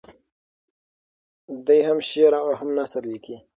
دی هم شعر او هم نثر لیکي.